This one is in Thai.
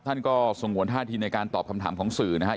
ท่านก็สงวนท่าทีในการตอบคำถามของสื่อนะครับ